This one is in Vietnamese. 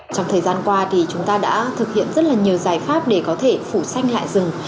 trong thời gian qua thì chúng ta đã thực hiện rất là nhiều giải pháp để có thể phủ xanh lại rừng